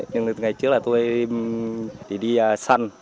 nhưng ngày trước tôi đi săn